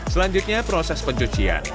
selanjutnya proses pencucian